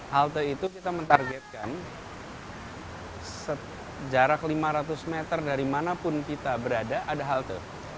halte itu kita mentargetkan jarak lima ratus meter dari manapun kita berada ada halte